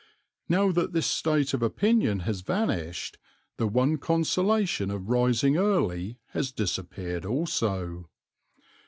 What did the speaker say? Now that this state of opinion has vanished the one consolation of rising early has disappeared also.